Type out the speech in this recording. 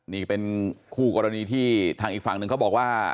นี่เป็นคู่กรณีที่ทางอีกฝั่งหนึ่งเขาบอกว่า